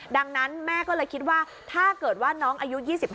ดังนั้นแม่ก็เลยคิดว่าถ้าเกิดว่าน้องอายุ๒๕